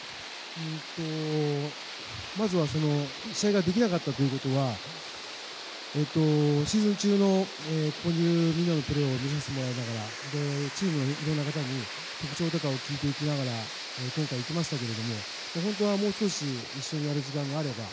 まずは試合ができなかったということはシーズン中のここにいるみんなのプレーを見させてもらいながらチームのいろんな方に特徴とかを聞いていきながら今回行きましたけど本当はもう少し一緒にやる時間があれば。